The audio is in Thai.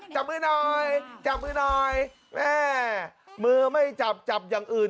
จับมือหน่อยจับมือหน่อยแม่มือไม่จับจับอย่างอื่น